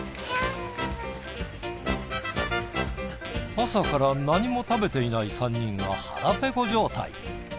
朝から何も食べていない３人は腹ペコ状態。